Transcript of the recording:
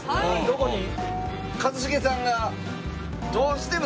どこに？